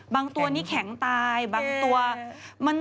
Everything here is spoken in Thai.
บางตัวนี้แข็งตาย